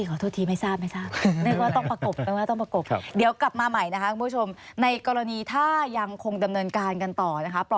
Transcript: ขอโทษทีไม่ทราบไม่ทราบนึกว่าต้องประกบแปลว่าต้องประกบเดี๋ยวกลับมาใหม่นะคะคุณผู้ชมในกรณีถ้ายังคงดำเนินการกันต่อนะคะ